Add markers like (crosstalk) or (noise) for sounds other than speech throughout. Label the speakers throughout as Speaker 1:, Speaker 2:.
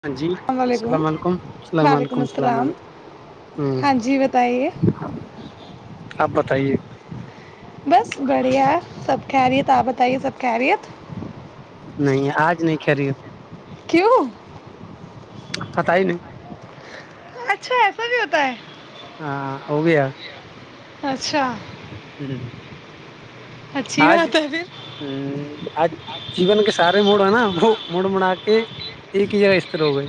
Speaker 1: ہاں جی السلام علیکم اللام
Speaker 2: وعلیکم
Speaker 1: علیکم اللام
Speaker 2: السلام
Speaker 1: علیکم
Speaker 2: ہاں جی بتائیے
Speaker 1: ہ آ تائیے
Speaker 2: بس بڑھیا سب کہہ رہیت آپ بتائیے سب کہہ رہیت
Speaker 1: نہیں آج نہیں ک رہی
Speaker 2: کیوں
Speaker 1: خت ہی نہیں
Speaker 2: اچھا ایسا بھی ہوتا ہے
Speaker 1: ہاں ہاں ہو گیا
Speaker 2: اچھا
Speaker 1: جی
Speaker 2: اچھی
Speaker 1: آج
Speaker 2: بات ہے پھر
Speaker 1: ہ آج جیون کے سارے موڑ ہیں نا وہ مڑ مڑا کے ایک ہی جگہ استر ہو گئے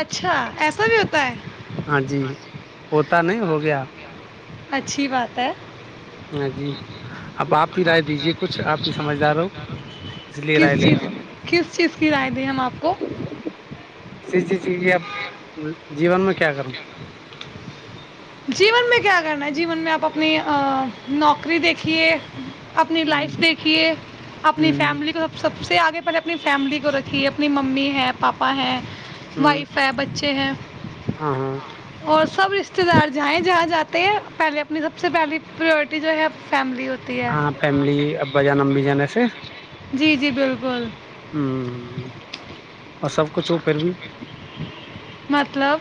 Speaker 2: اچھا ایسا بھی ہوتا ہے
Speaker 1: ہاں جی ہوتا نہیں ہو گیا
Speaker 2: اچھی بات ہے
Speaker 1: ہاں جی اب آپ ہی رائے دیجیے کچھ آپ ہی سمجھدار ہو اس لیے رائے
Speaker 2: کس
Speaker 1: لے
Speaker 2: چیز
Speaker 1: رہا ہوں
Speaker 2: کس چیز کی رائے دی ہم آپ کو
Speaker 1: اسسی چیز کی آب جیون میں کیا کرنا
Speaker 2: جیون میں کیا کرنا ہے جیون میں آپ اپنی نوکری دیکھیے اپنی لائف
Speaker 1: ہ
Speaker 2: دیکھیے اپنی فیملی
Speaker 1: ہ
Speaker 2: کو سب س سب سے آگے پہلے اپنی فیملی کو رکھی ہے اپنی ممی ہیں پاپا ہیں وائف ہے بچے ہیں
Speaker 1: ہاں ہاں
Speaker 2: اور سب ار جائیں جہاں جات پہلے اپنی سب سے پہلی پرورٹی جو ہے فیملی ہوتی ہے
Speaker 1: ہاں فیملی ابا جان ہم بھی جانے سے
Speaker 2: جی جی بالکل
Speaker 1: ہوں ہ ہ
Speaker 2: مطلب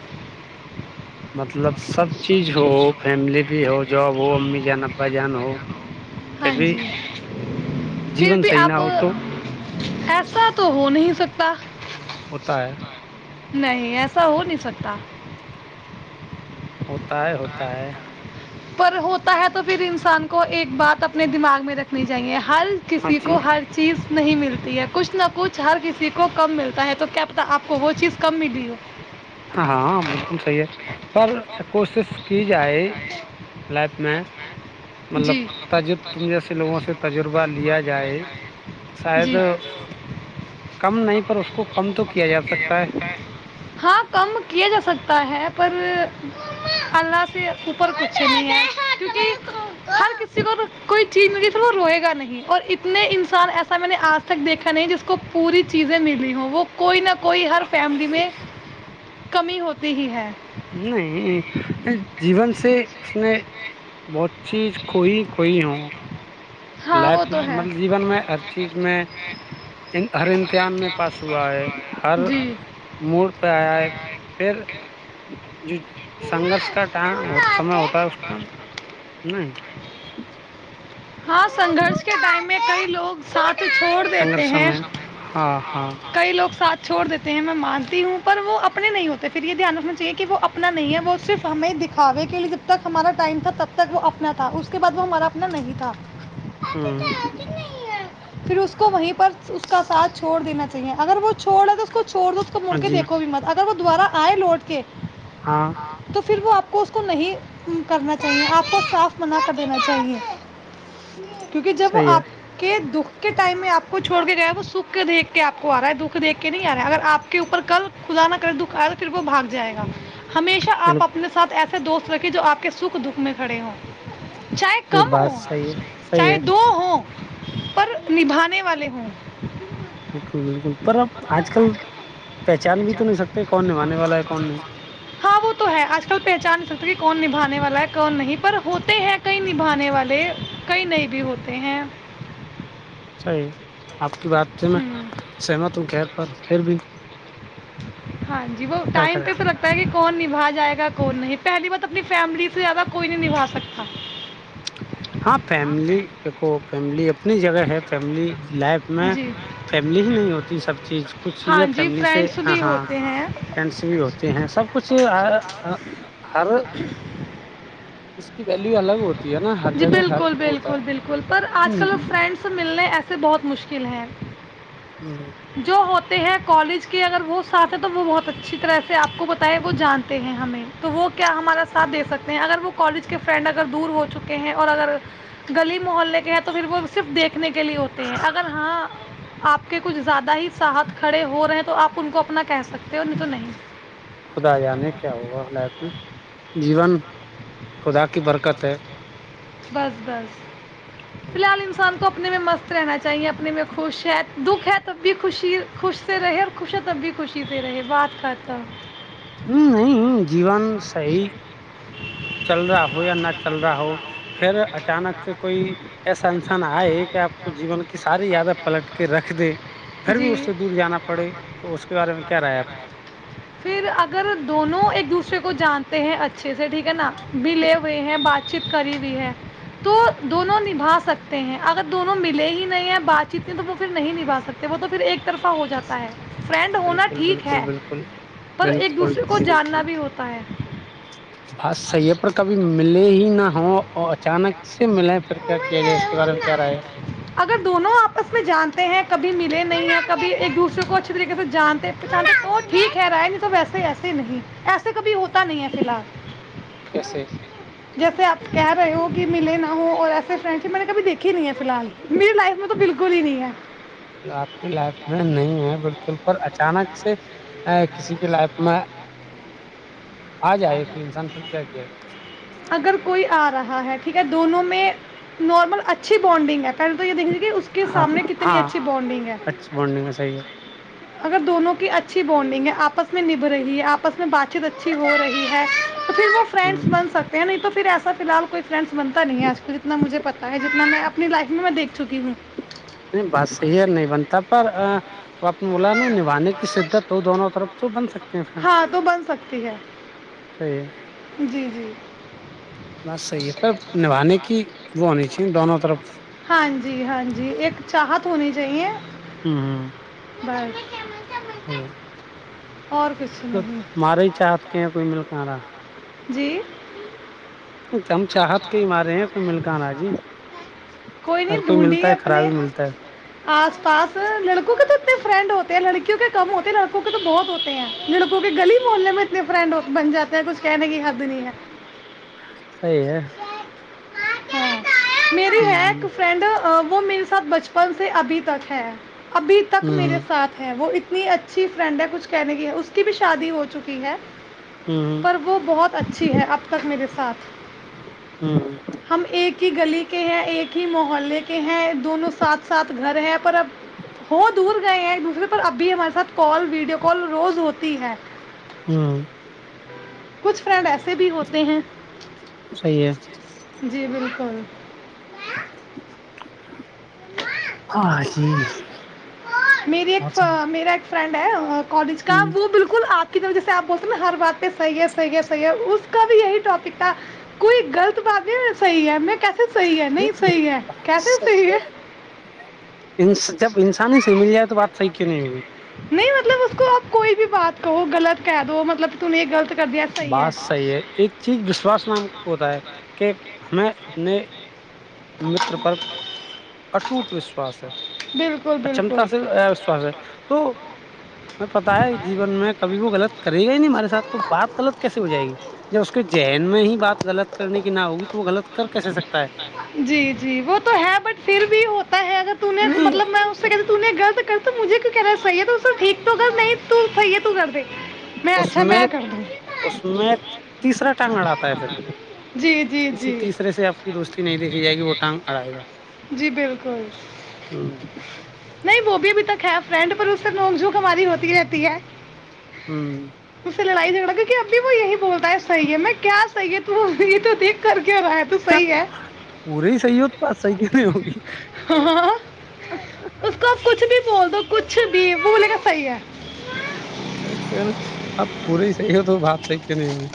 Speaker 1: مطلب سب چیز ہو فیملی بھی ہو جاب ہو امی جان ابا جان ہو پھر
Speaker 2: ہاں
Speaker 1: بھی
Speaker 2: جی پھر
Speaker 1: جیون
Speaker 2: بھی
Speaker 1: صحیح نہ
Speaker 2: آپ
Speaker 1: ہو تو
Speaker 2: ایسا تو ہو نہیں سکتا
Speaker 1: ہوتا ہے (unintelligible)
Speaker 2: نہیں ایسا ہو نہیں سکتا (unintelligible)
Speaker 1: ا (unintelligible) ہوتا ہے ہوتا ہے (unintelligible)
Speaker 2: پر ہوتا ہے تو پھر انسان کو ایک بات اپ (unintelligible) اپنے دماغ میں رکھنی چاہیے ہر
Speaker 1: ہاں
Speaker 2: کسی
Speaker 1: جی
Speaker 2: کو ہر چیز نہیں ملتی ہے کچھ نہ کچھ ہر کسی کو کم ملتا ہے تو کیا پتاہ آپ کو وہ چیز کم ملی ہو
Speaker 1: ہاں بالکل صحیح ہے پر کوشش کی جائے لائف میں مطلب
Speaker 2: جی
Speaker 1: تجرب تم جیسے لوگوں سے تجربہ لیا جائے تو شاید
Speaker 2: جی
Speaker 1: کم نہیں پر اس کو کم تو کیا جا سکتا ہے
Speaker 2: ہاں کیا جا سکتا ہے پر اللہ سے اوپر کچ چل کیونکہ ہر کسی کو کوئی چیز مے س وہ روئے گا نہیں اور ات انسان ایسا میں نے آج تک دیکھا نہیں جس کو کو پوری چیزیں ملی ہوں وہ کوئی نہ کوئی کوئی ہر فیملی میں کمی ہوتی ہی ہے
Speaker 1: نہیں جین سے سے اس نے بہت چیز کوئی کھوئی ہوں
Speaker 2: ہاں
Speaker 1: لائف
Speaker 2: وہ تو ہے
Speaker 1: مطلب جیون میں ہر چیز میں ہر امتحان میں پاس ہوا ہے ہر
Speaker 2: جی
Speaker 1: موڈ پہ آیا ہے پھر جو سنگرش کا ٹائم سمے ہوتا ہے اس ٹائم نہیں (unintelligible) (inaudible)
Speaker 2: ہاں سنگرش کے ٹائم میں کئی لوگ ساتھ کو چھوڑ دیتے
Speaker 1: سنگرش
Speaker 2: ہیں
Speaker 1: میں ہاں ہاں
Speaker 2: کئی لوگ ساتھ چھوڑ دیتے ہیں میں مانتی ہوں پر وہ اپنے نہیں ہوتے پھر یہ دھیان رکھنا چاہیے کہ وہ اپنا نہیں ہے وہ صرف ہمیں دکھاوے کے لیے جب تک ہمارا ٹائم تھا تب تک وہ اپنا تھا اس کے بعد وہ ہمارا اپنا نہیں تھا ا
Speaker 1: ہ
Speaker 2: کی نہیں ہے پھر اس کو وہیں پ اس کا ساتھ چھوڑ دین چاہیے ہیں اگر وہ چوڑے تو اس کو چھڑ دو اس کو مڑ کے
Speaker 1: جی
Speaker 2: دیکو بھی مت وہ دوبارہ آئے لوٹ کے
Speaker 1: ہاں
Speaker 2: تو پھر وہپ آ کو اس کو نہیں کرنا چاہیے آپ کو صاف مناعفع دین چاہیے کیونکہ جب وہ
Speaker 1: صحیح ہے
Speaker 2: آپ کے دکھ کے ٹائم میں آپ کو چھڑ کے گا ہے وہ سکھ دیکھ کے آپ کو آ رہا ہے دکھ دھ کے نہیں آ رہا ہے اگر آ کے اوپر کل خدا نہ کرے دکھ آ رہا پھر وہ بھاگ جائے گا ہمیشہ آپ
Speaker 1: بالکل
Speaker 2: اپنے ساتھ ایسا دوست رکھے جو آپ کے سکھ دکھ میں کھڑے ہوں چاہے
Speaker 1: یہ
Speaker 2: کم ہو
Speaker 1: بات صحیح ہے صحیح ہے
Speaker 2: چاہے دو ہوں پر نبھانے والے ہوں
Speaker 1: بالکل بالکل پر اپ آج کل پہچان بھی تو نہیں سکتے کون نھانے والا ہے کون نہیں
Speaker 2: ہاں وہ تو ہے آج کل پہچان نہیں سکتے کہ کون نبھانے والا ہے کون نہیں پر ہوتے ہیں کہیں نبھانے والے کہیں نہیں بھی ہوتے ہیں
Speaker 1: صیح آپ کی بات ہے میں
Speaker 2: ہوں
Speaker 1: سہمت ہوں خیر پر پھر بھی
Speaker 2: ہاں جی وہ
Speaker 1: کیا
Speaker 2: ٹم
Speaker 1: کریں
Speaker 2: تو تو لگتا ہے کہ کون نہیں نبا جائے گا کون نہیں پہلی بار تو اپنی فیملی سے زیادہ کوئی نہیں نبا سکتا
Speaker 1: ہاں فیملی دیکھو فیملی اپنی جگہ ہے فیملی لائف میں
Speaker 2: جی
Speaker 1: فیملی ہی نہیں ہوتی سب چیز کچھ چیزیں
Speaker 2: ہاں جی
Speaker 1: فیملی سے
Speaker 2: فرینڈس بھی
Speaker 1: ہاں
Speaker 2: ہوتے ہیں
Speaker 1: فرینڈس بھی ہوتے ہیں سب کچھ ہ
Speaker 2: ا (inaudible)
Speaker 1: اس کی ویلو الگ ہوتی ہے نا ہر
Speaker 2: جی
Speaker 1: جگہ ہر
Speaker 2: بالکل
Speaker 1: ہوتا
Speaker 2: بالکل بالکل پر
Speaker 1: ہے
Speaker 2: آج کل وہ فرینڈ سے ملنے ایسے بہت مشکل فلر
Speaker 1: ہ
Speaker 2: جو ہوتا ہیں کالج کے اگر وہ ساتھ ہے تو وہ بہت اچھی طرح سے آپ کو بتائے وہ جانتے ہیں ہمیں تو وہ کیا ہمارا ساتھ دےھ سکتے ہیں اگر وہ کالج کے فرینڈ اگر دور ہو چکے ہیں اور اگر گلی محلے کے ہیں تو پھر وہ صرف دیکھنے کے لیے ہوتے ہیں اگر ہاں آپ کے کچھ زیادہ ہی سات کھڑے ہو رہے ہیں تو آپ ان کو اپنا کہہ سکتے ہو نہیں تو نہیں
Speaker 1: خدا جانے کیا ہوا جیون خدا کی برکت ہے
Speaker 2: بس بس فی الحال انسان تو اپنے میں مست رہنا چاہیے اپنے میں خوش ہے دکھ ہے تب بھی خوشی خوش سے رہے اور خوش ہے تب بھی خوشی سے رہے بات کرھا
Speaker 1: ہ نہیں جیون صی چل رہا ہو یا نہ چل رہا ہو پھر اچانک سے کوئی ایسا انسان آئے کہ آپ کو جیون کی ساری یادیں پلٹ کے رکھ دے پھر بھی اس
Speaker 2: جی
Speaker 1: سے دور جانا پڑے تو اس کے بارے میں کیا رہا آپ کی
Speaker 2: پھر اگر دونوں ایک دوسرے کو جانتے ہیں اچھے سے ٹھیک ہے نا بھی لے ہوئے ہیں بات چیت کری ہوئی ہے تو دونوں نبھا سکتے ہیں اگر دونوں ملے ہی نہیں نہیں ہے بات چیت کی تو وہ پھر نہیں نبھا سکتے وہ تو پھر ایک طرفہ ہو جاتا ہے فرینڈ ہونا
Speaker 1: بالکل
Speaker 2: ٹھیک
Speaker 1: بالکل
Speaker 2: ہے
Speaker 1: بالکل
Speaker 2: پر ایک
Speaker 1: بالکل
Speaker 2: دوسرے کو
Speaker 1: جی
Speaker 2: جاننا
Speaker 1: بالکل
Speaker 2: بھی ہوتا ہے
Speaker 1: بات صحیح ہے پر کبھی ملے ہی نہ ہو اچانک سے ملیں پھر کیا کیا جائے اس کے بارے میں کیا رہاے
Speaker 2: اگر دونوں آپس میں جانتے ہیں کبھی ملے نہیں ہیں کبھی ایک دوسرے کو اچھے طریقے سے جانتے ٹھیک ہے رائے نہیں تو وسے ایسے نہیں ایسے کبھی ہوتا نہیں ہے فی الحال
Speaker 1: کیسے
Speaker 2: جیسے آپ کہہ رہے ہو کہ ملے نہ ہو اور ایسے اس فریڈ شپ میں نے کبھییکھی نہیں ہے فی الال میری لائف میں تو بالکل ہی نہیں ہے
Speaker 1: آپ کی لائف نہیں ہے بالکل پر اچانک سے کسی کی لائف میں آ جائے کوئی انسان پر کیا کیا جائے
Speaker 2: اگر کوئی آ رہا ہے ٹھیک ہے دونوں میں نارمل اچھی بانڈنگ ہے پہلے تو یہ دیکھجیے کہ اس کے
Speaker 1: ہاں
Speaker 2: سامنے کتنی
Speaker 1: ہاں
Speaker 2: اچھی بانڈنگ ہے
Speaker 1: اچھی بانڈنگ ہے صحیح
Speaker 2: اگر دونوں کی اچھی بانڈنگ ہے آپس میں نبھ رہی ہے آپس میں بات چیت اچھی ہو رہی ہے تو پھر وہ
Speaker 1: ہے ہ
Speaker 2: فرینڈس بن سکتے ہیں نہیں تو پھر ایسا فی الحال کوئی فرینڈس بنتا نہیں آج کل جتنا مجھے پتا ہے جتنا میں اپنی لائف میں دیکھ چکی ہوں
Speaker 1: نہیں بس صحیح ہے نہیں بنتا پر آپ نے بولا نا نبانے کی شدت تو دونوں طرف تو بن سکتی
Speaker 2: ہاں تو بن سکتی ہے
Speaker 1: صحیح ہے
Speaker 2: جی جی
Speaker 1: بس صحی ہے پر نبھانے کی وہ ہونی چاہی دونوں مطلب
Speaker 2: ہاں جی ہاں جی ایک چاہت ہونی چاہیے
Speaker 1: ہاں ہاں
Speaker 2: بار
Speaker 1: ہوں تو
Speaker 2: نہیں
Speaker 1: تمہارے ہی چاہت کے ہیں کوئی ملکاں رہا
Speaker 2: جی
Speaker 1: ہم چاہت کے ہی مارے ہیں کوئی مل کہاں رہا جی
Speaker 2: کوئی
Speaker 1: ہر
Speaker 2: نہیں ڈھونڈی
Speaker 1: ملتا ہے
Speaker 2: اپنے
Speaker 1: خرابی ملتا ہے
Speaker 2: آس پاس لڑکو کت اتنے فرینڈ ہوتے ہیں لڑکیوں کے کم ہوتے ہیں لڑکوں کے تو بہت ہوتے ہیں لڑکوں کے گلی محولنے میں اتنے فرینڈ بن جاتے ہیں کچھ کہنے کی حد نہیں ہے
Speaker 1: صی ہے
Speaker 2: ہاں میری ہے
Speaker 1: ہ
Speaker 2: ایک فرنڈ وہ میرے ساتھ بچپن سے ابھی تک ہے ابھی تک
Speaker 1: ہ
Speaker 2: میرے ساتھ ہے وہ اتنی اچھی فرینڈ ہے کچھ کہنے کی اس کی بھی شادی ہو چکی ہے
Speaker 1: ہ
Speaker 2: پر وہ بہت اچھی ہے اب تک میرے ساتھ
Speaker 1: ہوں
Speaker 2: ہم ایک ہی گلی کے ہیں ایک ہی محلے کے ہیں دونوں ساتھ ساتھ گھر ہیں پر اب ہو دور گئے ہیں ایک دوسرے پر اب بھی ہمارے ساتھ کال ویڈیو کال روز ہوتی ہے
Speaker 1: ہوں
Speaker 2: کچھ فرینڈ ایسے بھی ہوتے ہیں
Speaker 1: صحیح ہے
Speaker 2: جی بالکل
Speaker 1: ہاں جی
Speaker 2: میری
Speaker 1: اور
Speaker 2: ایک میرا ایک فرینڈ ہے اور کالج کا وہ بالکل آ جیسے آپ بولتے ہیں نا ہر بات پہ صحی ہے صحی ہے صح ہے اس کا بھی یہی ٹاپک کوئی غلط بات نہیں صحی ہے میں کیسے صحیح ہے نہیں صحیح ہے کیسے صحیح ہے
Speaker 1: ان جب انسانی سے مل جائے تو بات صحیح کیوں نہیں ہوگی
Speaker 2: نہیں مطلب اس کو آپ کوئی بھی بات کہو گغلط کہہ دو مطلب ت نہیں یہ غلط کر دیا صحیح ہے
Speaker 1: بات صحیح ہے ایک چیز وشواس نام ہوتا ہے کہ ہمیں اپنے میٹر پر اٹوٹ وشواس ہے
Speaker 2: میں نے بالکل بالکل
Speaker 1: اچمتا سے وشواس ہے تو ہمیں پتا ہے جیون میں کبھی وہ غلط کرے گا ہی نہیں ہمارے سات تو بات غلط کیسے ہو جائے گی جب اس کے ذہین میں ہی بات غلط کرنے کی نہ ہوگی تو وہ غلط کر کیسے سکتا ہے
Speaker 2: جی جی وہ تو ہے بٹ پھر بھی ہو اگر تو نے
Speaker 1: نہیں
Speaker 2: مطلب میں اس سے کہ تو نے غلط کر تو مجھے کی کہہناا صحی ہے تو سر ٹھیک تو کر نہیں تو صحی ہے تو کر د
Speaker 1: اس میں اس میں تیسرا ٹانگ اڑتا ہے پھر
Speaker 2: جی جی
Speaker 1: کسی
Speaker 2: جی
Speaker 1: تیسرے سے آپ کی دوستی نہیں دیکھ
Speaker 2: جی بالکل
Speaker 1: ہ
Speaker 2: نہیں وہ ابھی تک ہے فرینڈ پروس نوک جھوک ہماری ہوتی رہتی ہے اسے لڑائی جگڑا کیونکہ ابھی وہ یہی بولتا صحی ہے میں کیا صحی ہے ت تو دیک کر کیا رہا ہے تو
Speaker 1: ہ
Speaker 2: صی ہے
Speaker 1: پورے ہی صحیح ہو تو بس صحیح کیوں نہیں ہوگی
Speaker 2: ہاں اس کو آپ کچھ بول دو کچھ بھی بول گا صحیح ہے
Speaker 1: توئی تو ہے ن آپ پورے تو تو بات صحیح کہ نہیں ہوگی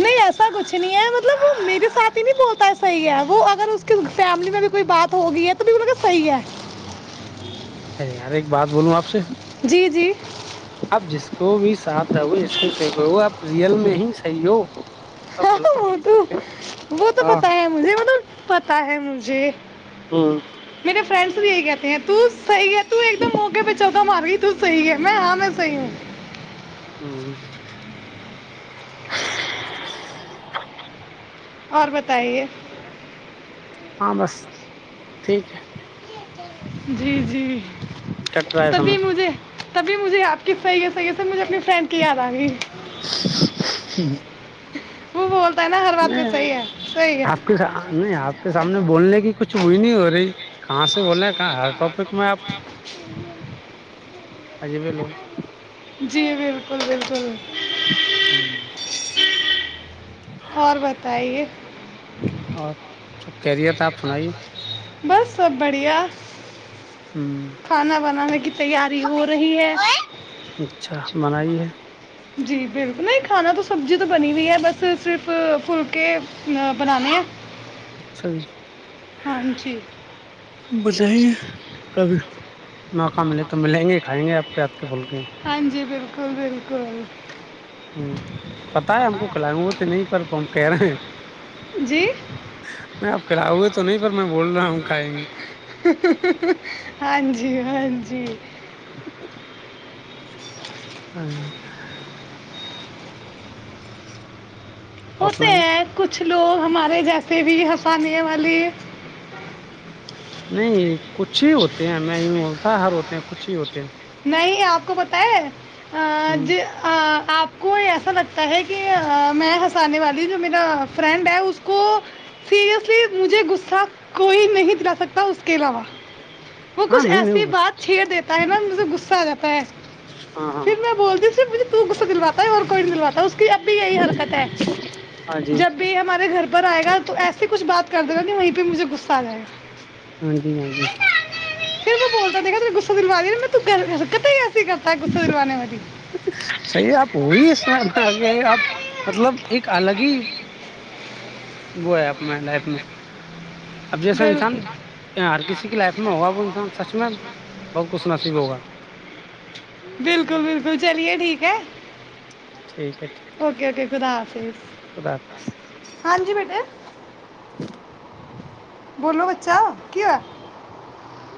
Speaker 2: نہیں ایسا کچھ نہیں ہے مطلب وہ میرے ساتھ ہی نہیں بولتا ہے صحیح ہے وہ اگر اس کی فیملی میں بھی کوئی بات ہوگی ہے تو بھی م صحیح ہے
Speaker 1: ارے یار ایک بات بولوں آپ سے
Speaker 2: جی جی
Speaker 1: تو بھی ساتھ رہ آپ رئل میں ہی صحیح ہو آپ
Speaker 2: ہاں
Speaker 1: غلط ہو ہی
Speaker 2: وہ
Speaker 1: نہیں
Speaker 2: تو
Speaker 1: سکتے
Speaker 2: وہ تو
Speaker 1: ہاں
Speaker 2: پتا ہے مجھے مطلب ہے مجھے
Speaker 1: ہوں
Speaker 2: میرے فرینڈس بھی یہی کہتے ہیں صحی ہے ایک دم موقے پہ چوتا مار رہی صحی ہے میں ہاں میں صحی ہوں
Speaker 1: ہاں
Speaker 2: اور بتائیے
Speaker 1: ہاں بس ٹھیک ہے
Speaker 2: جی جی
Speaker 1: کٹ رہ ہےسنا
Speaker 2: تب مجھےپ کی صحیحی سے مجے اپنی فرینڈ کیا آا بھی ج
Speaker 1: نہیں آپ
Speaker 2: ہے
Speaker 1: کے س نہیں آپ کے سامنے بولنے کی کچھ وہئی نہیں ہو رہی کہاں سے بولا
Speaker 2: کہاںک میں آپ
Speaker 1: اجے بھی لو
Speaker 2: جی بالکل بالکل
Speaker 1: ہوں
Speaker 2: اور بتائیے
Speaker 1: اور سب کہرییے تھا آپ سنائیے
Speaker 2: بس سب بڑھیا
Speaker 1: ہ
Speaker 2: کھانا بنانے کی تیاری ہو رہی ہے
Speaker 1: اچھا منائی ہے
Speaker 2: جی بالکل نہیں کھانا تو سبزی تو بنی ہوئی ہے بس صرف فلکے بنانے ہیں
Speaker 1: اچھا جی
Speaker 2: ہاں جی
Speaker 1: بتائیے کبھی موقع ملے تو ملیں گے کھائیں گے آپ کے کے پھول کے
Speaker 2: ہاں جی بالکل بالکل بالکل (inaudible)
Speaker 1: ہ پتا ہے ہم کو کھلائیں گے وہ تو نہیں پر ہم کہہ رہے ہیں
Speaker 2: جی
Speaker 1: میں کا ہوئے تو نہیں پتا
Speaker 2: ہاں جی ہاں جی
Speaker 1: ہاں
Speaker 2: وہ
Speaker 1: اور
Speaker 2: تو
Speaker 1: سنائیے
Speaker 2: ہے کچھ کچھ لوگ ہمارے جیسے بھی ہم
Speaker 1: نہیں کچھ ہی ہوتے ہیں میں ی نہیں بولتا ہر ہوتے ہیں کچھ ہی ہوتے ہیں
Speaker 2: نہیں آپ کو بتاائے آ
Speaker 1: ہ
Speaker 2: ج آ آپ کو ایسا لگتا ہے کہ میں ہسانے والا میر فرینڈ ہے اس کو سیریسلی مجھے ہ کوئی نہیں دلا سکتا اس کے علاوہ وہ
Speaker 1: ہاں
Speaker 2: کچھ
Speaker 1: نہیں نہیں
Speaker 2: ایسی
Speaker 1: بس
Speaker 2: بات چھیر دیتا ہے نا غصہ آتا ہے
Speaker 1: ہاں ہاں
Speaker 2: پھر میں بولتی ہوںر مجھے تو غصہ دلواتا ہے اور کوئی نہیں دلواتا اس کی اب بھی یہی حرکت ہے
Speaker 1: ہاں جی
Speaker 2: جب بھی ہمارے گھر پر آئے گا تو ایسسی کچھ بات کر دے گا کہ وہیں پہ مجھے غصہ آ جائے گا
Speaker 1: ہاں جی ہاں جی
Speaker 2: پھر میں بولتا د کہا ما گغسا دنا د رہ کتے
Speaker 1: صحیح آپ وہی اس آ گ آپ مطلب ایک الگ ہی (unintelligible) وہ ہے اپنے لائف میں اب جیسا انسان
Speaker 2: بالکل
Speaker 1: ہر کسی کی لائف میں ہوگا وہ انسان سچ میں بہت کچھ سنا
Speaker 2: بالکل بالکل چلیے ٹھیک ہے
Speaker 1: ٹھیک ہے ٹھیک
Speaker 2: اوکے اوکے خدا حافظ
Speaker 1: ہے خدا حافظ
Speaker 2: (inaudible) ہاں جی بیٹے بولو بچہ کی ہوا